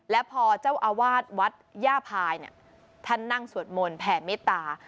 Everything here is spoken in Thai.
และพอเจ้าอาวาสวัดย่าพายท่านนั่งสวดมนต์แผ่เมตตา